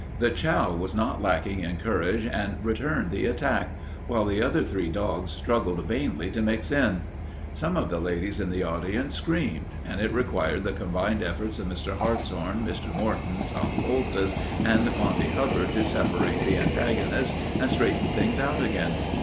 The chow was not lacking in courage and returned the attack, while the other three dogs struggled vainly to mix in. Some of the ladies in the audience screamed, and it required the combined efforts of Mr. Hartshorn, Mr. Morton, Tom Poultice, and Monty Hubbard to separate the antagonists and straighten things out again.